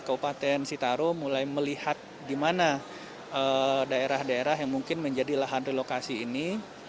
kabupaten sitaro mulai melihat di mana daerah daerah yang mungkin menjadi lahan relokasi ini